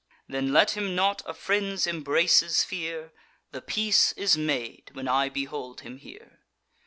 Then let him not a friend's embraces fear; The peace is made when I behold him here.